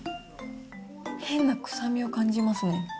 変な臭みを感じますね。